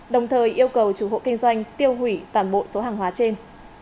đồng thời yêu cầu chủ hộ kinh doanh tiêu hủy toàn bộ số hàng hóa trên